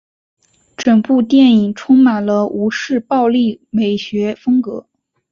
整部电影充满了吴氏暴力美学风格。